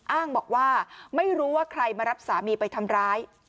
อ้างบอกว่าไม่รู้ว่าใครมารับสามีไปทำร้าย